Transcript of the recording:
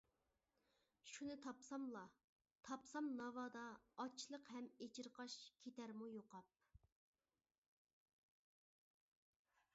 شۇنى تاپساملا. تاپسام ناۋادا، ئاچلىق ھەم ئېچىرقاش كېتەرمۇ يوقاپ.